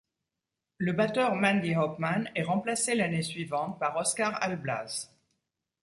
Le batteur Mandy Hopman est remplacé l'année suivante par Oscar Alblas.